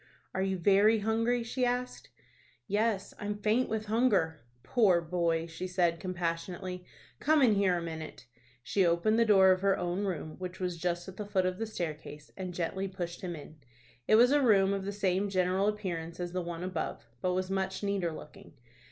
"Are you very hungry?" she asked. "Yes, I'm faint with hunger." "Poor boy!" she said, compassionately; "come in here a minute." She opened the door of her own room which was just at the foot of the staircase, and gently pushed him in. It was a room of the same general appearance as the one above, but was much neater looking.